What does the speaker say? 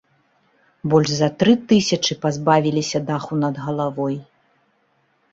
Больш за тры тысячы пазбавіліся даху над галавой.